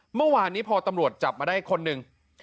เมื่อวานนี้พอตำรวจจับมาได้คนหนึ่ง